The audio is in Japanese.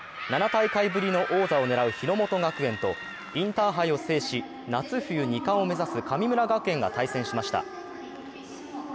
７大会ぶりの王座を狙う日ノ本学園とインターハイを制し、夏冬２冠を目指す神村学園が対戦しました。